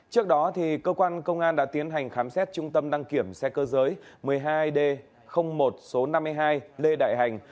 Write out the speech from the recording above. trước đó cơ quan công an đã tiến hành khám xét trung tâm đăng kiểm xe cơ giới một mươi hai d một số năm mươi hai lê đại hành